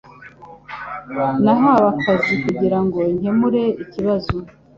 Nahawe akazi kugirango nkemure ikibazo.